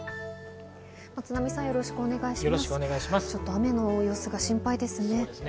雨の様子が心配ですね。